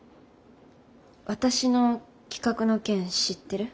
私の企画の件知ってる？